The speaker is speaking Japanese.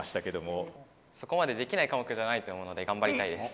そこまでできない科目じゃないと思うので頑張りたいです。